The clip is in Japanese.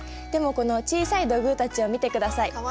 でもこの小さい土偶たちを見てください。